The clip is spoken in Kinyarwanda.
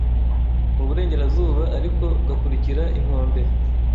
mu burengerazuba ariko ugakurikira inkombe